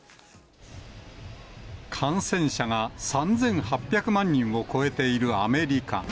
感染者が３８００万人を超えているアメリカ。